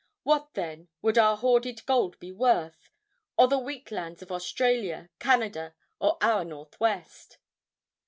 What, then, would our hoarded gold be worth, or the wheat lands of Australia, Canada or our Northwest?